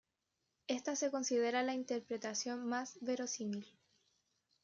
Esta se considera la interpretación más verosímil.